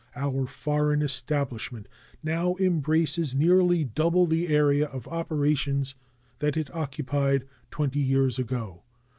Our foreign establishment now embraces nearly double the area of operations that it occupied twenty years ago.